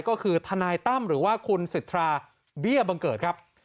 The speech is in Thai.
ก็คือทนายตั้มหรือว่าคุณสิทธาเบี้ยบังเกิดครับ